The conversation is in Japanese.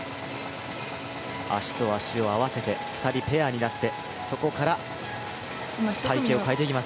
足と足を合わせて、２人ペアになってそこから隊形を変えていきます。